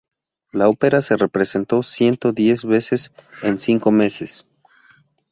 La ópera se representó ciento diez veces en cinco meses.